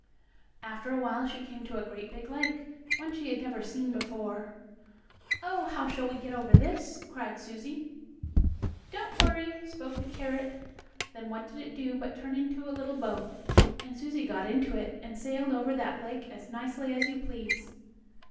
After a while she came to a great big lake, one she had never seen before. "Oh, how shall we get over this?" cried Susie. "Don't worry," spoke the carrot. Then what did it do but turn into a little boat, and Susie got into it, and sailed over that lake as nicely as you please.